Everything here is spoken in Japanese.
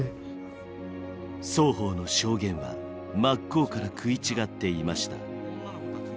双方の証言は真っ向から食い違っていました。